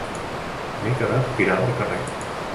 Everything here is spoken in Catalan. M'he quedat tirada al carrer.